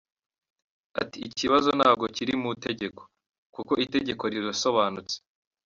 Ati “Ikibazo ntabwo kiri mu itegeko, kuko itegeko rirasobanutse.